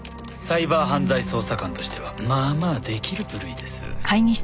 サイバー犯罪捜査官としてはまあまあ出来る部類です。